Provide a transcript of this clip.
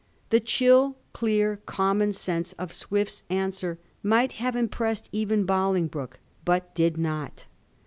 The chill, dear common sense of Swift's answer might have impressed even Bolingbroke ; but did not.